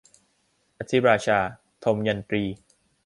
อธิราชา - ทมยันตี